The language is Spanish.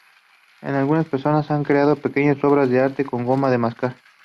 Algunas personas han creado pequeñas obras de arte con goma de mascar.